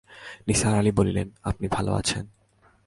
নিসার আলি বললেন, আপনি ভালো আছেন?